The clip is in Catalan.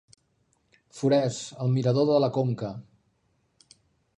Forès, el mirador de la Conca.